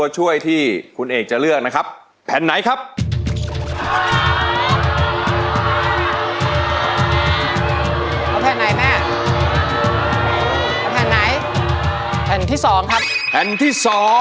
ใช่